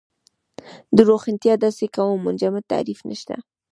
د روښانتیا داسې کوم منجمد تعریف نشته.